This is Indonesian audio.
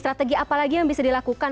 strategi apa lagi yang bisa dilakukan